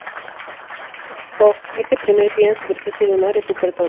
Oh, ese primer pie en la superficie lunar es super, Tony!